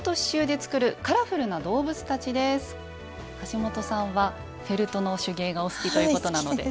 橋本さんはフェルトの手芸がお好きということなので。